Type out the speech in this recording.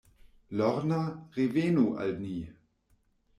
Lorna, revenu al ni.